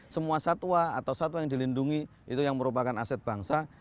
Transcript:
semua satwa atau satwa yang dilindungi itu yang merupakan aset bangsa